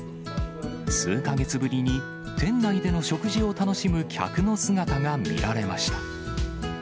数か月ぶりに店内での食事を楽しむ客の姿が見られました。